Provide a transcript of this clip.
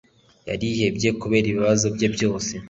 Yarihebye kubera ibibazo bye byose